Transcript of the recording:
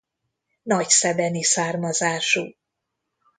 Nagyszebeni származású.